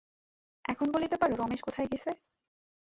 এখন বলিতে পারো রমেশ কোথায় গেছে?